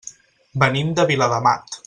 Venim de Viladamat.